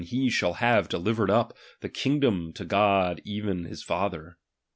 he shall hare ife/icered up the hingilom to God ''' eren his Father.